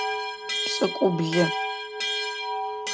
Пшӏыкӏублы.